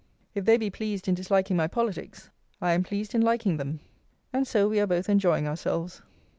If they be pleased in disliking my politics, I am pleased in liking them; and so we are both enjoying ourselves.